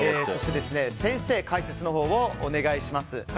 先生、解説をお願いします。